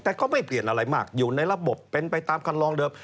แต่ก็ไม่เปลี่ยนอะไรมากอยู่ในระบบเป็นไปตามคันลองเดิม